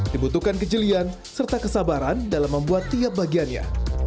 dibutuhkan kejelian serta kesabaran dalam membuat tiap bagiannya